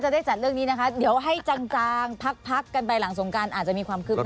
เดี๋ยวให้จางพักกันไปหลังสงการอาจจะมีความคืบหน้า